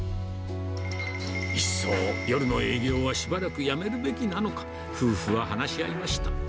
いっそ夜の営業はしばらくやめるべきなのか、夫婦は話し合いました。